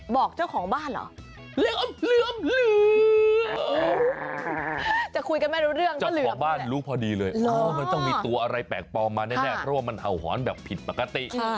เบียดล้อยที่ว้านลุกพอดีเลยมันจะมีตัวอะไรแปลกปลอมมาแน่เพราะว่ามันเผ่าหอนอากาศแบบผิดปกติ